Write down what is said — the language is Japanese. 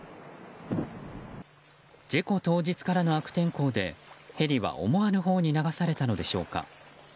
事故当日からの悪天候でヘリは思わぬほうへ流されたのでしょうか。